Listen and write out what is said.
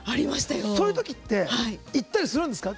そういう時っていったりするんですか？